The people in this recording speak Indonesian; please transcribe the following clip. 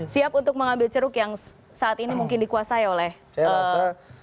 siap untuk mengambil ceruk yang saat ini mungkin dikuasai oleh eee